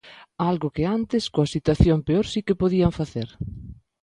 Algo que antes, coa situación peor, si que podían facer.